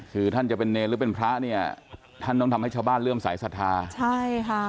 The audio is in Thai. คือท่านจะเป็นเนรหรือเป็นพระเนี่ยท่านต้องทำให้ชาวบ้านเริ่มสายศรัทธาใช่ค่ะ